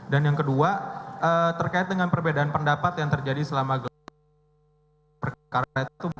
dan yang kedua terkait dengan perbedaan pendapat yang terjadi selama gelar perkara itu